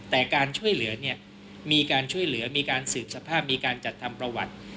แต่การช่วยเหลือเนี่ยมีการช่วยเหลือมีการสืบสภาพมีการจัดทำประวัติ